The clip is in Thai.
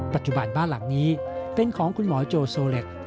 ปัจจุบันบ้านหลังนี้เป็นของคุณหมอโจโซเล็ต